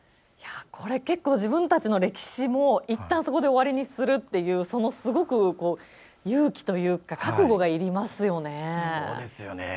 これ結構自分たちの歴史もいったんそこで終わりにするというすごく勇気というか覚悟がいりますよね。